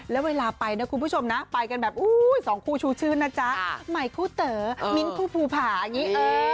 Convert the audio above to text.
แล้วเวลาไปนะคุณผู้ชมนะไปกันแบบอุ้ยสองคู่ชูชื่นนะจ๊ะใหม่คู่เต๋อมิ้นคู่ภูผาอย่างนี้เออ